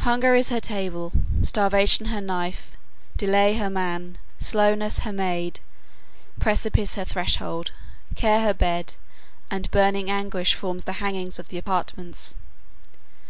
Hunger is her table, Starvation her knife, Delay her man, Slowness her maid, Precipice her threshold, Care her bed, and Burning Anguish forms the hangings of the apartments.